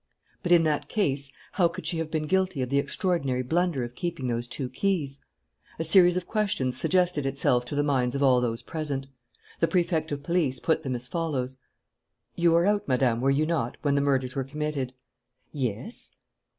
But, in that case, how could she have been guilty of the extraordinary blunder of keeping those two keys? A series of questions suggested itself to the minds of all those present. The Prefect of Police put them as follows: "You were out, Madame, were you not, when the murders were committed?" "Yes."